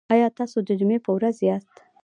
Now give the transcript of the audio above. ایا تاسو د جمعې په ورځ یاست؟